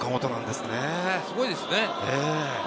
すごいですね。